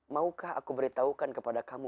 maukah aku beritahukan kepada kamu